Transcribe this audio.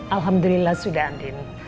alhamdulillah sudah andin